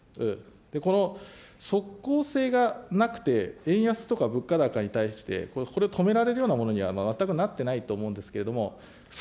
この即効性がなくて、円安とか物価高に対して、これを止められるようなものには全くなってないと思うんです